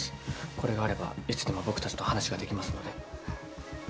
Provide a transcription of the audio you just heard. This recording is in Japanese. これがあればいつでも僕たちと話ができますので。